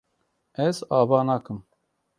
Ez ava nakim.